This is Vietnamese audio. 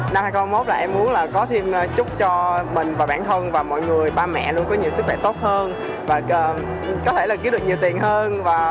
năm hai nghìn hai mươi một là em muốn là có thêm chúc cho mình và bản thân và mọi người ba mẹ luôn có nhiều sức khỏe tốt hơn và có thể là kiếm được nhiều tiền hơn